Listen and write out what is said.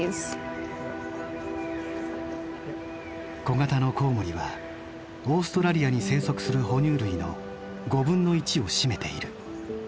小型のコウモリはオーストラリアに生息する哺乳類の５分の１を占めている。